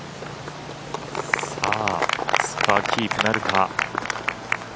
スコアキープなるか。